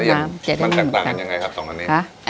อ่ามันแตกต่างันยังไงครับ๒อันนี้